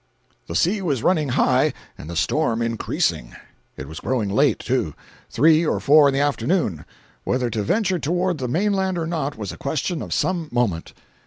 The sea was running high and the storm increasing. It was growing late, too—three or four in the afternoon. Whether to venture toward the mainland or not, was a question of some moment.